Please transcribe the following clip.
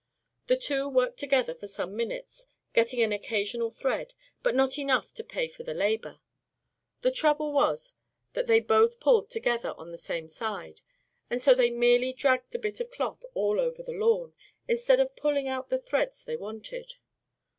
The two worked together for some minutes, getting an occasional thread, but not enough to pay for the labor. The trouble was that both pulled together on the same side; and so they merely dragged the bit of cloth all over the lawn, instead of pulling out the threads they wanted.